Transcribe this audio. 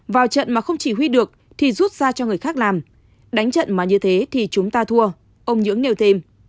vào trận mà không chỉ huy được thì rút ra cho người khác làm đánh trận mà như thế thì chúng ta thua ông nhưỡng nêu thêm